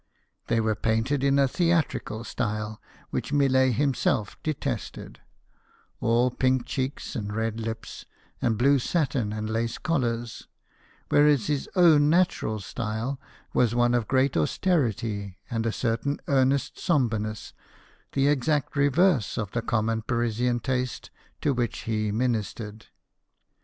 They were painted in a theatrical style, which Millet himself detested all pink cheeks, and red lips, and blue satin, and lace collars ; whereas his own natural style was one of great austerity and a certain earnest sombreness the exact reverse of the common Parisian taste to which he ministered.